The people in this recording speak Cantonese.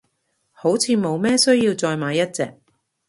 好似冇咩需要再買一隻，